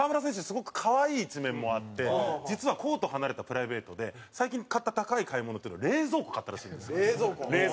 すごく可愛い一面もあって実はコート離れたプライベートで最近買った高い買い物って冷蔵庫買ったらしいんですよ。